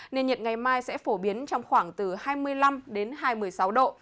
nên nhiệt ngày mai sẽ phổ biến trong khoảng từ hai mươi năm hai mươi sáu độ